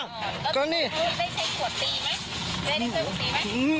ได้ใช้กวดปีไหม